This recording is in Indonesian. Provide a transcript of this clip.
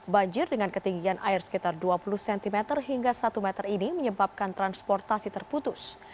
banjir dengan ketinggian air sekitar dua puluh cm hingga satu meter ini menyebabkan transportasi terputus